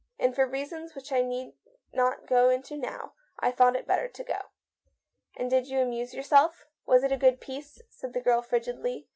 And for reasons which I need not go into now, I thought it better to go." " And did you amuse yourself ? Was it a good piece?" said the girl frigidly.